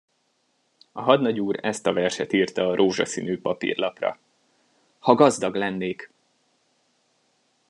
A hadnagy úr ezt a verset írta a rózsaszínű papírlapra: Ha gazdag lennék!